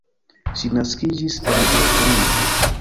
Ŝi naskiĝis en Aŭstrio.